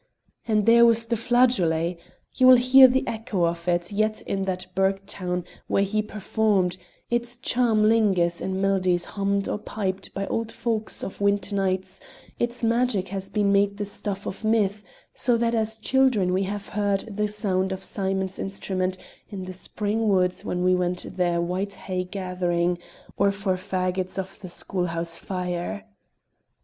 And there was the flageolet! You will hear the echo of it yet in that burgh town where he performed; its charm lingers in melodies hummed or piped by old folks of winter nights, its magic has been made the stuff of myth, so that as children we have heard the sound of Simon's instrument in the spring woods when we went there white hay gathering, or for fagots for the schoolhouse fire.